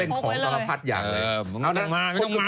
เออไม่ต้องมากไม่ต้องมาก